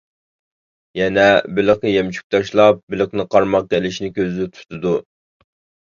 يەنە بېلىققا يەمچۈك تاشلاپ بېلىقنى قارماققا ئىلىشىنى كۆزدە تۇتىدۇ.